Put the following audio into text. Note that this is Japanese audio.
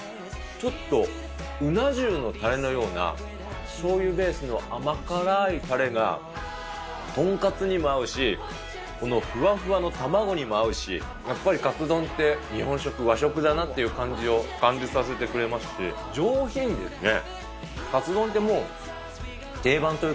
ちょっとうな重のたれのような、しょうゆベースの甘辛いたれが、豚カツにも合うし、このふわふわの卵にも合うし、やっぱりカツ丼って日本食、和食だなっていう感じを感じさせてくれますし、上品ですね。